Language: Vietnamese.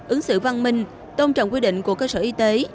ứng xử văn minh tôn trọng quy định của cơ sở y tế